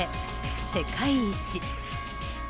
世界一。